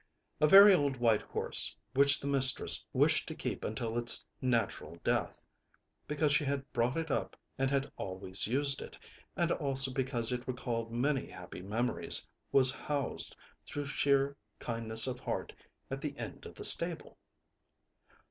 A very old white horse, which the mistress wished to keep until its natural death, because she had brought it up and had always used it, and also because it recalled many happy memories, was housed, through sheer kindness of heart, at the end of the stable.